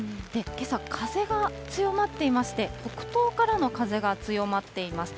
けさ、風が強まっていまして、北東からの風が強まっています。